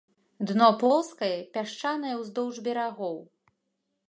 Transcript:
Дно плоскае, пясчанае ўздоўж берагоў.